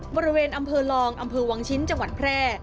บริเวณอำเภอลองอำเภอวังชิ้นจังหวัดแพร่